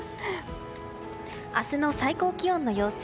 明日の最高気温の様子。